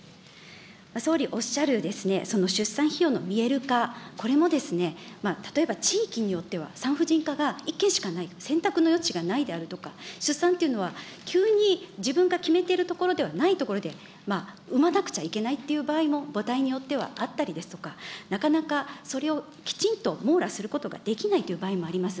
総理おっしゃるその出産費用の見える化、これも、例えば地域によっては産婦人科が１軒しかない、選択の余地がないであるとか、出産というのは急に自分が決めてる所ではない所で産まなくちゃいけないっていう場合も母体によってはあったりですとか、なかなかそれをきちんと網羅することができないという場合もあります。